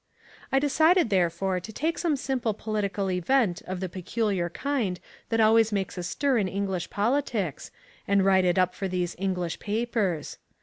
I decided therefore to take some simple political event of the peculiar kind that always makes a stir in English politics and write it up for these English papers.